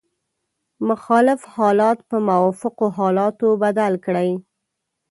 مخالف حالات په موافقو حالاتو بدل کړئ.